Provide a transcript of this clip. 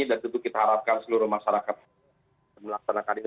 dan tentu kita harapkan seluruh masyarakat melaksanakan ini